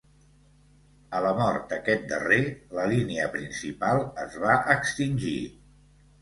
A la mort d'aquest darrer, la línia principal es va extingir.